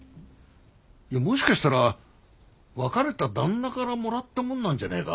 もしかしたら別れた旦那からもらったものなんじゃねえか？